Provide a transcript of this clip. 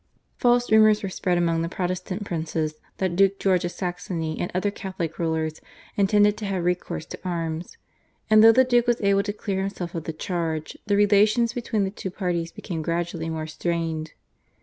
False rumours were spread among the Protestant princes that Duke George of Saxony and other Catholic rulers intended to have recourse to arms, and though the Duke was able to clear himself of the charge, the relations between the two parties became gradually more strained.